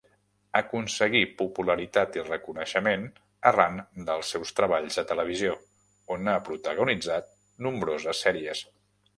Aconseguí popularitat i reconeixement arran dels seus treballs a televisió, on ha protagonitzat nombroses sèries.